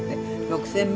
６０００